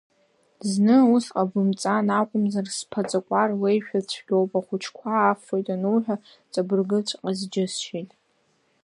Зны, ус ҟабымҵан акәымзар сԥаҵақәа рлеишәа цәгьоуп, ахәыҷқәа афоит ануҳәа ҵабыргыҵәҟьаз џьысшьеит…